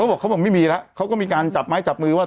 อะไรนะเค้าบอกไม่มีแล้วเค้าก็มีการจับไม้จับมือว่า